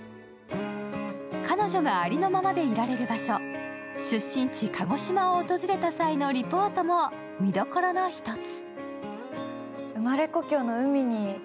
彼女がありのままでいられる場所、出身地・鹿児島を訪れた際のリポートも見どころの一つ。